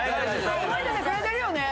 覚えててくれてるよね？